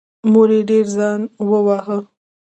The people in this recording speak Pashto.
مور یې ډېر ځان وواهه.